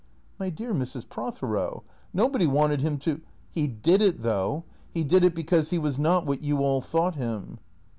" My dear Mrs. Prothero, nobody wanted him to "" He did it, though. He did it because he was not what you all thought him."